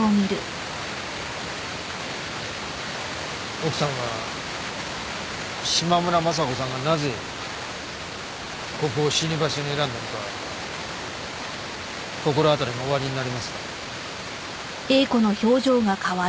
奥さんは島村昌子さんがなぜここを死に場所に選んだのか心当たりがおありになりますか？